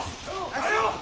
早う！